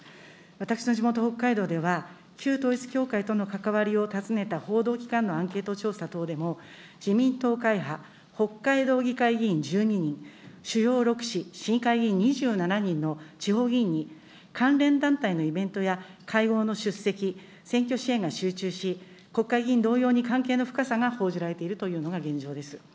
私の地元、北海道では、旧統一教会との関わりを尋ねた報道機関のアンケート調査等でも自民党会派、北海道議会議員１２人、主要６市、市議会議員２７人の地方議員に、関連団体のイベントや会合の出席、選挙支援が集中し、国会議員同様に関係の深さが報じられているというのが現状です。